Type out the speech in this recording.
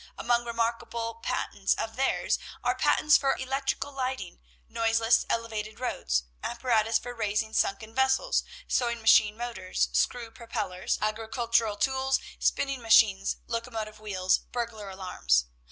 Among remarkable patents of theirs, are patents for electrical lighting, noiseless elevated roads, apparatus for raising sunken vessels, sewing machine motors, screw propellers, agricultural tools, spinning machines, locomotive wheels, burglar alarms.